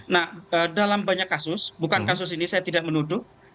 nah dalam banyak kasus bukan kasus ini saya tidak menuduh